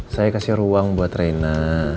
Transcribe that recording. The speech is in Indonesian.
saya kasih ruang buat reina